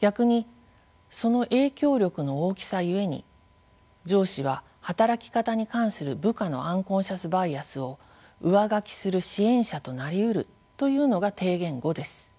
逆にその影響力の大きさゆえに上司は働き方に関する部下のアンコンシャスバイアスを「上書き」する支援者となりうるというのが提言５です。